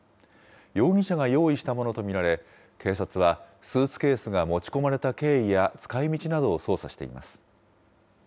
容疑者が用意したものと見られ、警察はスーツケースが持ち込まれた経緯や使いみちなどを捜査しています。